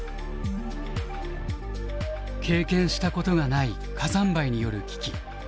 経験したことがない火山灰による危機。